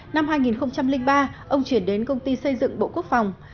năm hai nghìn ba ông chuyển đến công ty xây dựng bộ quốc phòng